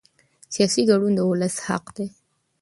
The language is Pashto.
سیاسي ګډون د ولس حق دی